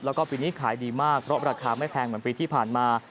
แล้วก็ปีนี้ขายดีมากเพราะราคาไม่แพงเหมือนปีที่ผ่านมา